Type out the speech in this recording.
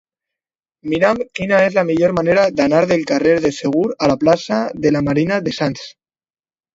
Mira'm quina és la millor manera d'anar del carrer de Segur a la plaça de la Marina de Sants.